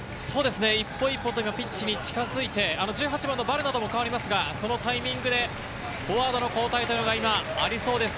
一歩一歩ピッチに近づいて、１８番も代わりますが、そのタイミングでフォワードの交代もありそうです。